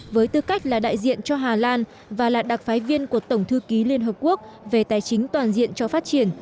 với tư cách là đại diện cho hà lan và là đặc phái viên của tổng thư ký liên hợp quốc về tài chính toàn diện cho phát triển